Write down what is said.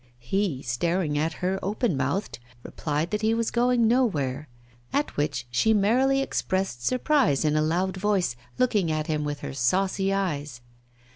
He, staring at her open mouthed, replied that he was going nowhere. At which she merrily expressed surprise in a loud voice, looking at him with her saucy eyes.